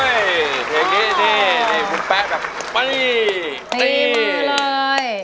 เยี่ยมมากเลยเลย